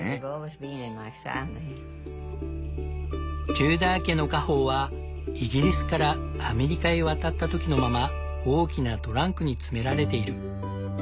テューダー家の家宝はイギリスからアメリカへ渡った時のまま大きなトランクに詰められている。